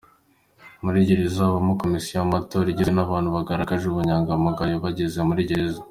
Muri Gereza habamo Komisiyo y’amatora, igizwe n’abantu bagaragaje ubunyangamugayo bageze muri Gereza.